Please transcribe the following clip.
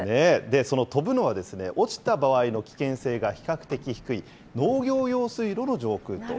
その飛ぶのはですね、落ちた場合の危険性が比較的低い、農業用水路の上空と。